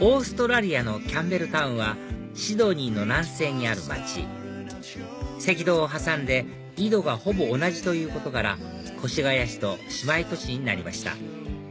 オーストラリアのキャンベルタウンはシドニーの南西にある街赤道を挟んで緯度がほぼ同じということから越谷市と姉妹都市になりました